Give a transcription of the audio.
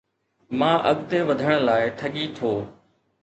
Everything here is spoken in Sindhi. مان اڳتي وڌڻ لاءِ ٺڳي ٿو